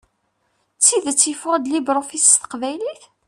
D tidet yeffeɣ-d LibreOffice s teqbaylit?